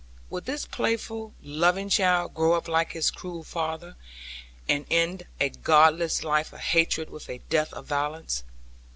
Would this playful, loving child grow up like his cruel father, and end a godless life of hatred with a death of violence?